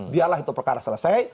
biarlah itu perkara selesai